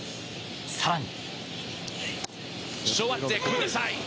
更に。